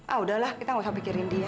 ah udahlah kita nggak pikirin dia